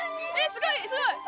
すごいすごい！え！